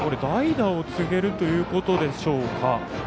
代打を告げるということでしょうか。